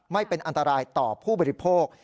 ไม่เป็นอันตรายต่อผู้บริโภค